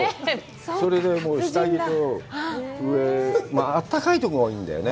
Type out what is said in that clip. それでもう、下着と上、あったかいところはいいんだよね。